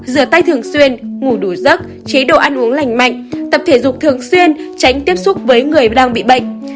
rửa tay thường xuyên ngủ đủ giấc chế độ ăn uống lành mạnh tập thể dục thường xuyên tránh tiếp xúc với người đang bị bệnh